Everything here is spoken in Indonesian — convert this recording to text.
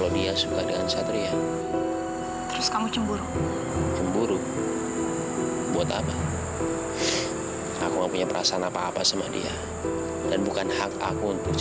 mama mama jangan begini